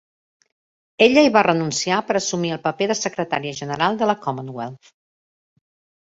Ella hi va renunciar per assumir el paper de secretària general del la Commonwealth.